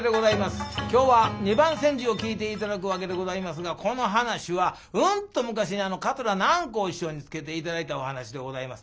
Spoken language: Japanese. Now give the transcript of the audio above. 今日は「二番煎じ」を聴いて頂くわけでございますがこの噺はうんと昔に桂南光師匠につけて頂いたお噺でございます。